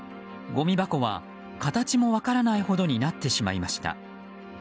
ごみ箱は形も分からないほどになってしまいました。